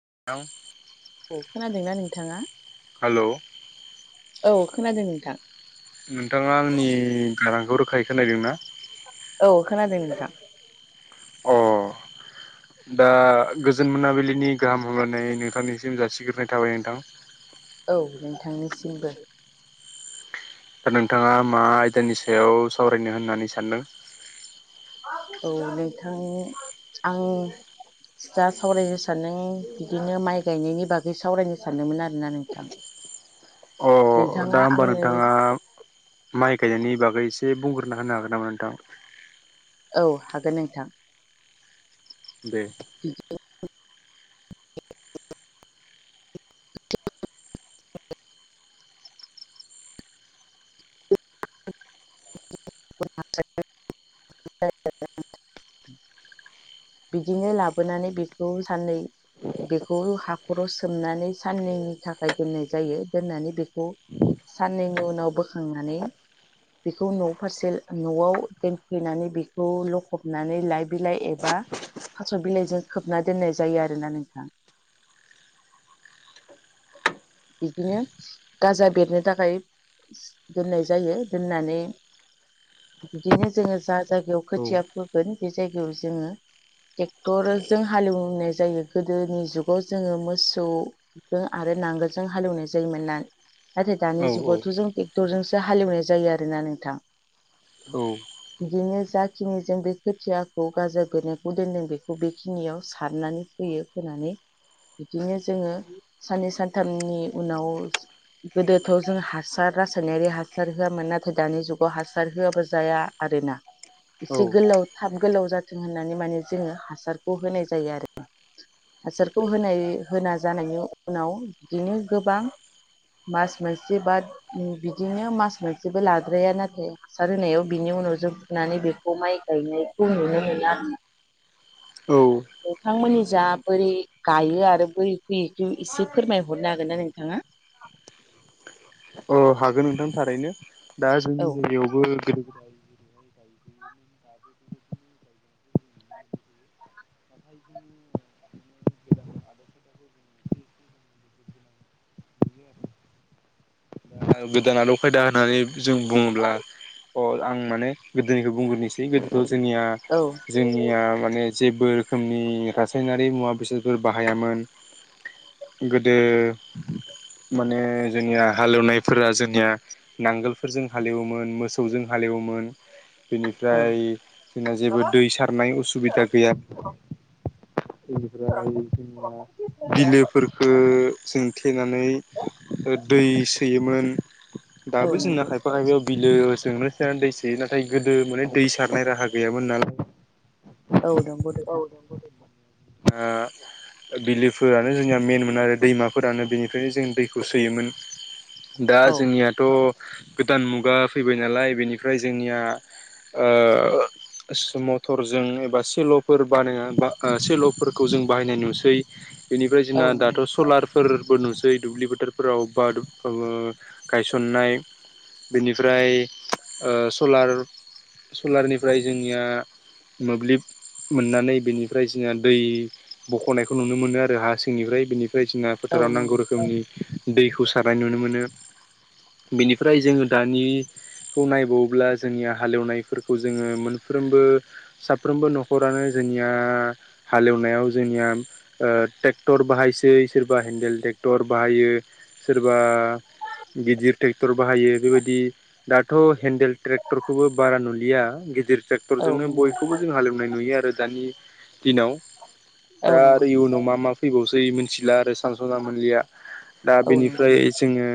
[unintelligible] औ खोनादोंना नोंथाङा हेलौ औ खोनादों नोंथां। नोंथाङा आंनि गारांखौ रोखायै खोनाहैदों ना? औ खोनादों नोंथां। अ [unintelligible] दा गोजोन मोनाबिलिनि गाहाम हामलायनाय नोंथांनिसिम जासिग्रोनाय थाबाय नोंथां। औ नोंथांनिसिमबो। दा नोंथाङा मा आयदानि सायाव सावरायनो होननानै सानदों। औ नोंथां आं दा सावरायनो सान्दों बिदिनो माइ गायनायनि बागै सावरायनो सानदोंमोन आरोना नोंथां? [inaudible] अ दा नोंथाङा होमबा आंनो नोंथाङा माइ गायनायनि बागै जे बुंग्रोना होनो हागोन नामा नोंथां? औ हागोन नोंथां। दे [inaudible] [unintelligible] बिदिनो लाबोनानै बेखौ साननै बेखौ हाखराव सोमनानै साननैनि थाखाय दोननाय जायो दोननानै बेखौ साननैनि उनाव बोखांनानै। बेखौ न' फारसे न'आव दोनफैनानै बेखौ लखबनानै लाइ बिलाइ एबा थास' बिलाइजों खोबना दोननाय जायो आरोना नोंथां? बिदिनो गाजा बेरनो थाखाय दोननाय जायो दोननानै। बिदिनो जोङो जा जायगायाव औ खोथिया फोगोन बे जायगायाव जोङो ट्रेक्टर जों हालेवनाय जायो गोदोनि जुगाव जोङो मोसौजों आरो नांगौ। जों हालेवनो जायोमोनना? नाथाय औ दानि जुगावथ' जों एकदरजोंसो हालेवनाय जायो आरोना नोंथां? औ बिदिनो जाखिनि जों बे खोथियाखौ गाजा बेरोननायखौ दोनदों बेखौ बेखिनियाव सारनानै फोयो फोनानै बिदिनो जोङो साननै सानथामनि उनाव गोदोथ' जों हासार रासायनारि हासार होआमोन नाथाय दानि जुगाव हासार होआबो जाया आरो रोना? औ एसे गोलाव थाब गोलाव जाथों होननानै माने जोङो हासारखौ होनाय जायो आरो हासारखौ होनाय होना जानायनि उनाव बिदिनो गोबां मास मोनसे बा बिदिनो मास मोनसेबो लाद्राया नाथाय हासार होनायाव बिनि उनाव जों फुनानै बेखौ माइ गायनायखौ नुनो मोनो आरो ना? औ नोंथांमोननि जा बोरै गायो आरो बोरै फैयो इखौ एसे फोरमाय। हरनो हागोन ना नोंथाङा? अ हागोन नोंथां थारैनो दा औ जोंनि जायगायावबो गोदो गोदाय गोदाय गोदान आदब खायदा होननानै जों बुङोब्ला अ आं माने गोदोनिखौ बुंग्रोनोसै गोदोथ जोंनिया औ जोंनिया माने जेबो रोखोमनि रासायनारि मुवा बेसादफोर बाहायामोन। गोदो माने जोंनिया हालेवनाय फोरा जोंनिया नांगोलफोरजों हालेवोमोन मोसौजों हालेवोमोन। बेनिफ्राय जोंना जेबो दै सारनाय उसुबिदा गैया इनिफ्राय जेनेबा बिलोफोरखो जों थेनानै ओ दै सोयोमोन। दाबो जोंना खायफा खायफायाव बिलोजोंनो दै सोयो नाथाय गोदो माने दै सारनाय राहा गैयामोन नालाय [inaudible] [inaudible] बिलोफोरानो जोंनिया मेेन मोन आरो दैमाफोरानो बेनिफ्रायनो जों दैखौ सोयोमोन। दा जोंनियाथ गोदान मुगा फैबाय नालाय बेनिफ्राय जोंनिया ओ स मटरजों एबा सेलफोर बानायना बा‌ ओ सेल फोरखौ जों बाहायनाय नुसै बेनिफ्राय औ जोंना दाथ सलार फोरबो नुसै दुब्लि बोथोरफोराव बा ओ गायसननाय बेनिफ्राय ओ सलार सलारनिफ्राय जोंनिया मोब्लिब मोननानै बेनिफ्राय जोंनिया दै बखनायखौ नुनो मोनो आरो हा सिंनिफ्राय बेनिफ्राय जोंना औ फोथाराव नांगौ नंगौ रोखोमनि दैखौ सारनाय नुनो मोनो बेनिफ्राय जोङो दानि खौ नायबावोब्ला जोंनिया हालेवनायफोरखौ जोङो मोनफ्रोमबो साफ्रोमबो नखरानो जों जोंनिया हालेवनायाव जोंनिया ओ ट्रेक्टर बाहायसै सोरबा हेन्देल ट्रेक्टर बाहायो सोरबा गिदिर ट्रेक्टर बाहायो बेबायदि दाथ हेन्देल ट्रेक्टरखौबो बारा नुलिया गिदिर औ ट्रेक्टरजोंनो नंगौ नोंथां बयखौबो जों हालेवनाय नुयो आरो दानि दिनाव औ दा आरो नंगौ इयुनाव मा मा फैबावसै मिथिला आरो स सानसना मोनलिया दा औ नंगौ बेनिफ्राय जोङो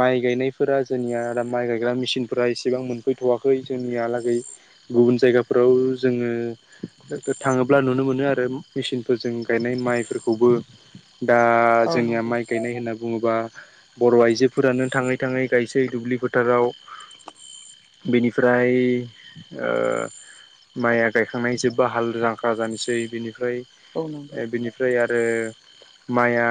माइ गायनायफोरा जोंनियाा माइ गायग्रा मेसिनफोरा एसेबां मोनफैथवाखै जोंनियालागै गुबुन जायगाफोराव जोङो थो-थो-थाङोब्ला ब्ला नुनो मोनो आरो मो मेसिनफोरजों गायनाय माइफोरखौबो दा औ जोंनिया नंगौ माइ गायनाय होनना बुङोबा बर आइजोफोरानो थाङै थाङै गायसै दुब्लि फोथाराव बेनिफ्राय ओ माइआ गायखांनाय जोब्बा हाल जां ख्रा जानोसै बिनिफ्राय औ नंगौ औ नंगौ ओ बिनिफ्राय आरो माइआ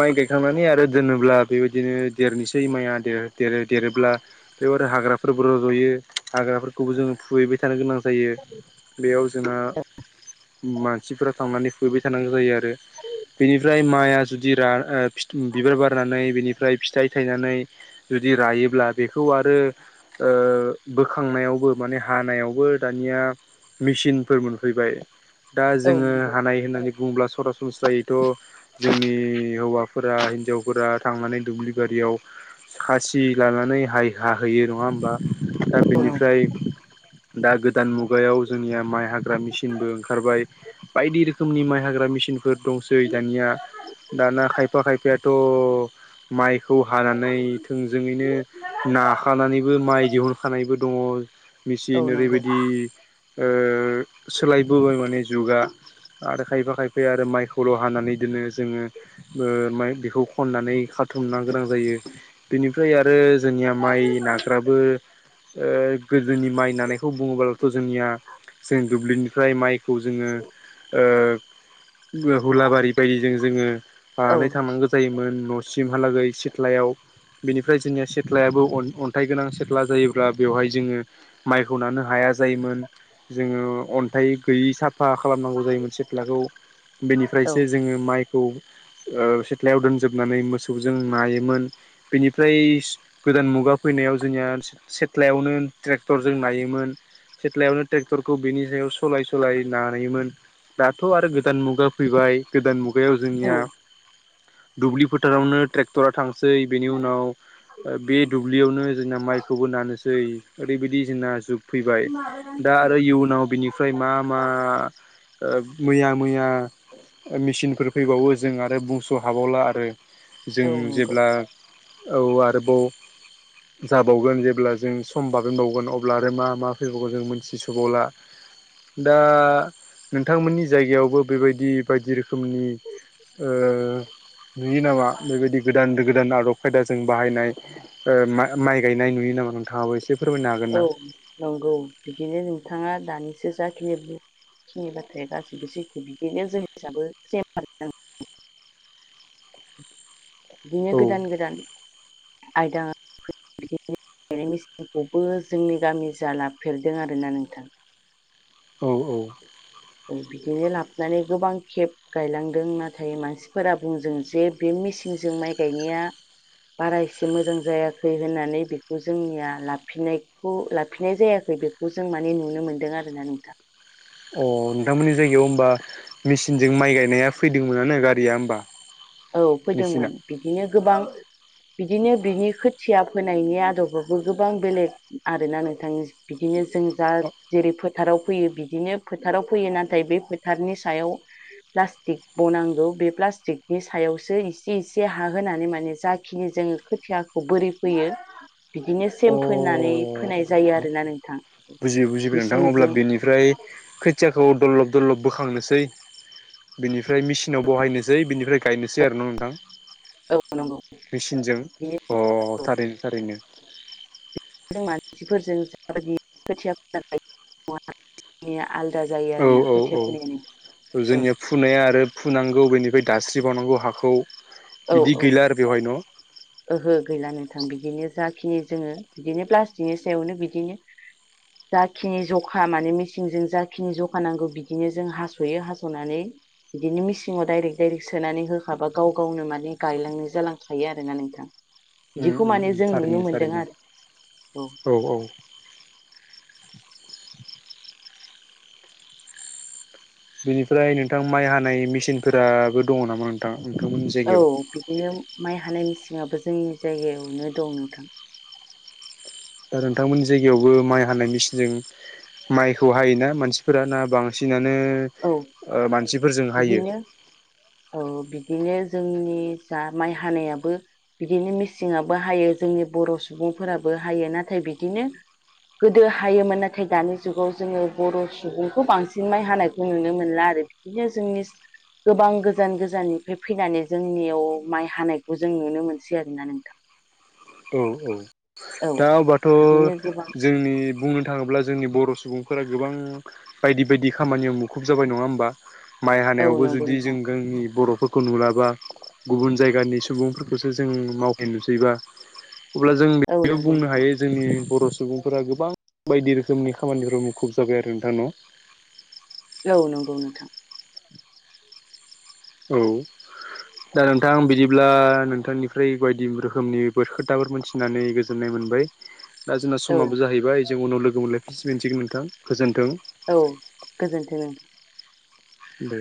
माइ गायखांनानै आरो दोनोब्ला बेबायदिनो देरनोसै माइया देरो देरो देरोब्ला बेयाव आरो हाग्राफोरबो रजयो हाग्राफोरखौबो जोङो फुहैबाय थानो गोनां जायो बेयाव जोंहा मानसिफोरा थांनानै फुहैबाय थानांगौ जायो आरो। बेनिफ्राय माइआ जुदि रा ओ फिथ ओम बिबार बारनानै बिनि फ्राय फिथाइ थायनानै जुदि रायोब्ला बेखौ आरो ओ बो खांनायावबो माने हानायावबो दानिया मेसिनफोर मोनफैबाय। दा औ नंगौ औ जोङो हानाय होननानै बुङोब्ला सरास सनस्रायैथ जोंनि हौवाफोरा हिनजावफोरा थांनानै दुब्लि बारियाव खासि लानानै हाय हाहैयो नङा होमबा दा नंगौ औ नंगौ औ बेनिफ्राय दा गोदान मुगायाव जोंनिया माइ हाग्रा हाग्रा मेसिनबो ओंखारबाय बायदि रोखोमनि माइ हाग्रा मेसिनफोर दंसै दानिया दाना खायफा खायफायाथ' माइखौ हानानै थोंजोङैनो नाखानानैबो माइ दिहुनखानायबो दङ मेचिन नंगौ औ ओरैबायदि ओ सोलायबोबाय माने जुगा आरो खायफा खायफा आरो माइखौल' हानानै दोनो जोङो ओ ओमफाय बेखौ खननानै खाथुमनो गोनां जायो बेनिफ्राय आरो। आरो जोंनिया माइ नंगौ नाग्राबो ओ, गोदोनि माइ नानायखौ बुङोब्लाथ' जोंनिया दुब्लिनिफ्राय माइखौ जोङो ओ हुलाबारि बायदिजों जोङो औ बानानै थांनांगौ जायोमोन न' सिमहालागै सिथ्लायाव बेनिफ्राय जोंनिया सिथ्लायाबो अन अन्थाइ गोनां सिथ्ला जायोब्ला बेवहाय जोंङो माइखौ नानो हाया। हाया जायोमोन। जोंङो अनथाइ गैयि साफ साफफा खालामनांगौ जायोमोन सेथलाखौ औ बेनिफ्रायसो जोंङो माइ खौ ओ सेथ्लायाव दोनजोबनानै मोसौजों नायोमोन बिनिफ्राय गोदान मुगा फैनायाव जोंनिया सेथ्लायावनो ट्रेक्टरजों नायोमोन सेथ्लायावनो ट्रेक्टरखौ बेनि सायाव सलाय सलाय नायोमोन दाथ' आरो गोदान मुगा फैबाय गोदान मुगा बेयाव औ जोंनिया दुब्लि फोथारावनो ट्रेक्टरा थां सै बेनि उनाव बे दुब्लियावनो जोंना माइखौबो नानोसै ओरैबायदि जोंना जुग फैबाय [inaudible] [unintelligible] दा आरो इयुनाव बिनिफ्राय मा मा ओ मैया मैया मेसिनफोर फैबावो जों आरो बुंस' हाबावला आरो जों औ नंगौ जेब्ला औ आरोबाव जाबावगोन जेब्ला जों सम बाबेनबावगोन अब्ला आरो मा मा फैबावगोन जों मोन थि सबावला दा नोंथांमोननि जायगायावबो बेबायदि बायदि रोखोमनि ओ नुयो नामा बेबायदि गोदान गोदान आदब? खायदाजों बाहायनाय ओ मा-माइ गायनाय नुयो नामा नोंथांङाबो एसे फोरमायनो हागोन औ ना नंगौ बिदिनो नोंथांङा दानिसो जाखिनि बुं बेखिनि बाथ्राया गासैबो सैथो बिदिनो जों हिसाब [unintelligible] [inaudible] बिदिनो औ गोदान गोदान आयदा बिदि मेसिनखौ बो जोंनि गामि जालाफेरदों आरोना नोंथां औ औ बिदिनो लाबोनानै गोबां खेब गायलांदों नाथाय मानसिफोरा बुंजों जे बे मेचिनजों माइ गायनाया बारा एसे मोजां जायाखै होननानै बेखौ जोंनिया लाफिनायखौ लाफिननाय जायाखै बेखौ जों माने नुनो मोन्दों आरोना नोंथां अ नोंथांमोननि जायगायाव होमबा मेसिनजों माइ गायनाया फैदोंमोनानो गारिया होमबा औ मेचिना फैदोंमोन अ बिदिनो गोबां बिदिनो बिनि खोथिया फोनायनि आदबाबो गोबां बेलेग आरोना नोंथांनि बिदिनो बिनो जों जा जेरै फोथाराव फैयो बिदिनो फोथाराव फैयो नाथाय बे फोथारनि सायाव प्लास्टिक बनांगौ बे प्लास्टिक बे सायावसो इसे इसे हा होनोनानै माने जाखिनि जोंङो खोथियाखौ बोरै फोयो बिदिनो अ सेम फोनानै फोनाय जायो आरोना नोंथां बुजियै बुजिबाय नोंथां अब्ला मिसिंजों बेनिफ्राय खोथियाखौ दलब दरलब बोखांनोसै बिनिफ्राय मेचिनाव बहायनोसै बिनिफ्राय गायनोसै आरो ना नोंथां औ नंगौ मेचिनजों अ थारैनो थारैनो मानसिफोरजों जाबायदि खोथिया [unintelligible] जायो औ आरोना औ खोथिया औ फोनाया औ जोंनिया फुनाया आरो फुनांगौ बेनिफ्राय दास्रिबावनांगौ हाखौ औ बिदि औ गैला आरो बेवहाय न' ओहो गैलानो थां बिदिनो जाखिनि जोंङो बिदिनो प्लास्टिकनि सायावनो बिदिनो जाखिनि जखा माने मेसिंजों जाखिनि जखा नांगौ बिदिनो जों हासयो हासनानै बिदिनो मिसिंङाव दाइरेक्ट दडाइरेक्ट सोनानै होखाबा गाव गावनो माने गायलांनो जालांखायो आरोना नोंथां उम बिदिखौ उम माने उम जों नुनो थारैनो मोनदों थारैनो आरो औ [inaudible] बेनिफ्राय नोंथां माइ हानाय मेसिनफोराबो दंङ नामा नोंथां नोंथांमोननि औ जायगायाव बिदिनो माइ हानायमिसिंङाबो जोंनि जायगायावनो दं नोंथां दा नोंथांमोननि जायगायावबो माइ हानाय मेसिनजों माइखौ हायोना मानसिफोरा ना बांसिनानो औ बांसिनानो ओ मानसि बिदिनो औ बिदिनो जोंनि जा माइ हानायाबो बिदिनो मिसिंआबो हायो जोंनि बर' सुबुंफोराबो हायो नाथाय बिदिनो गोदो हायोमोन नाथाय दानि जुगाव जोङो बर' सुबुंखौ बांसिन माइ हानायखौ नुनो मोनला आरो बिदिनो जोंनि गोबां गोजान गोजाननिफ्राय फैनानै जोंनियाव माइ हानायखौ जों नुनो मोनसै आरोना नोंथां औ औ औ दा अब्लाथ' बिदिनो गोबां जोंनि बुंनो दा अब्ला जोंनि बर' सुबुंफोरा गोबां बायदि बायदि खामानियाव मुखुब जाबाय नङा होमबा माइ औ हानायावबो नंगौ जुदि नोंथां जों गोंनि बर' फोरखौ नुलाबा गुबुन जायगानि सुबुंफोरखौसो जों मावफै नुसैबा अब्ला जों औ बेयाव नंगौ बुंनो नोंथां हायो जोंनि बर' सुबुंफोरा गोबां बायदि रोखोमनि खामानिफोराव मुखुब जाबाय आरो नोंथां न' औ नंगौ नोंथां। औ। दा नोंथां बिदिब्ला नोंथांनिफ्राय बायदि रोखोमनि बोरखोथाफोर मोनथिनानै गोजोननाय मोनो। मोनबाय दा जोंना औ समाबो जाहैबाय जों उनाव लोगो मोनलायसिगोन नोंथां गोजोन औ गोजोन्थों नोंथां। देह